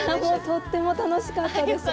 とても楽しかったです。